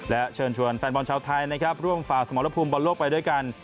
และเชิญชวนแฟนบอลชาวไทยนะครับร่วมฝ่าสมรภูมิบอลโลกไปด้วยกัน